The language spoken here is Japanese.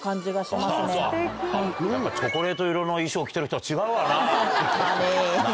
やっぱチョコレート色の衣装を着てる人は違うわな。